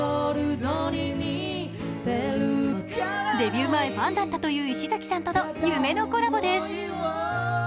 デビュー前、ファンだったという石崎さんと夢のコラボです。